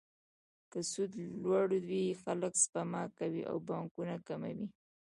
که سود لوړ وي، خلک سپما کوي او پانګونه کمه وي.